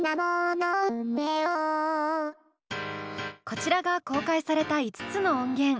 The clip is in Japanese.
こちらが公開された５つの音源。